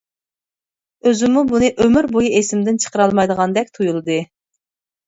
ئۆزۈممۇ بۇنى ئۆمۈر بويى ئېسىمدىن چىقىرالمايدىغاندەك تۇيۇلدى.